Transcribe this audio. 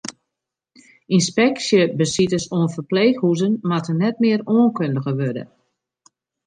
Ynspeksjebesites oan ferpleechhûzen moatte net mear oankundige wurde.